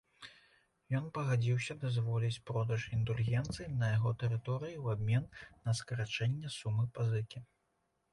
Ён пагадзіўся дазволіць продаж індульгенцый на яго тэрыторыі ў абмен на скарачэнне сумы пазыкі.